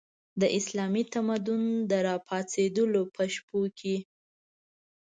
د اسلامي تمدن د راپرځېدلو په شپو کې.